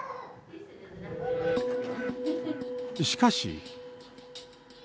しかし。